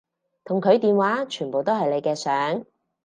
同佢電話全部都係你嘅相